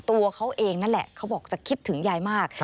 ตัวเขาเองนั่นแหละเขาบอกจะคิดถึงยายมาก